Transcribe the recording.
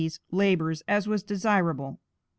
's) labors as was desirable. Mr.